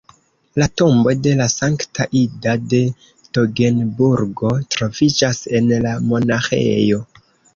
La tombo de la Sankta Ida de Togenburgo troviĝas en la monaĥejo.